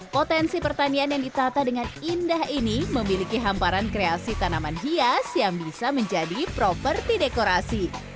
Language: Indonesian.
potensi pertanian yang ditata dengan indah ini memiliki hamparan kreasi tanaman hias yang bisa menjadi properti dekorasi